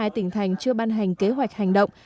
ba mươi hai tỉnh thành chưa ban hành kế hoạch hành động